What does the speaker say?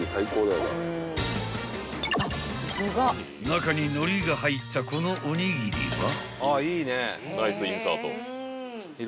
［中にのりが入ったこのおにぎりは］